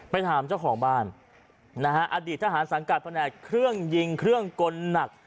ไปถามเจ้าของบ้านนะฮะอดีตทหารสังกัดแผนกเครื่องยิงเครื่องกลหนัก